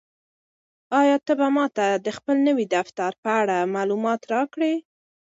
آیا ته به ماته د خپل نوي دفتر په اړه معلومات راکړې؟